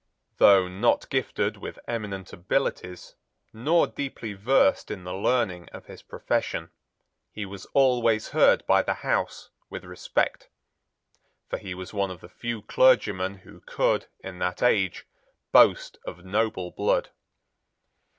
Though not gifted with eminent abilities, nor deeply versed in the learning of his profession, he was always heard by the House with respect; for he was one of the few clergymen who could, in that age, boast of noble blood.